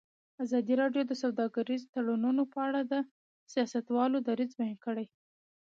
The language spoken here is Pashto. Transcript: ازادي راډیو د سوداګریز تړونونه په اړه د سیاستوالو دریځ بیان کړی.